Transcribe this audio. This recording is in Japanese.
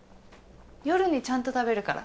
夜にちゃんと食べるから。